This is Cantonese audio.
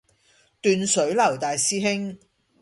斷水流大師兄